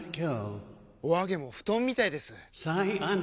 お揚げも布団みたいです！